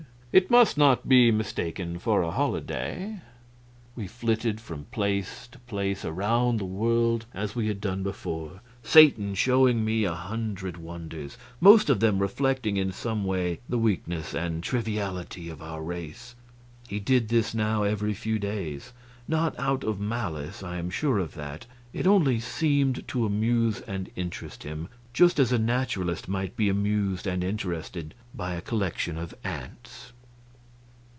It must not be mistaken for a holiday." We flitted from place to place around the world as we had done before, Satan showing me a hundred wonders, most of them reflecting in some way the weakness and triviality of our race. He did this now every few days not out of malice I am sure of that it only seemed to amuse and interest him, just as a naturalist might be amused and interested by a collection of ants.